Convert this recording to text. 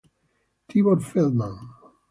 Tibor Feldman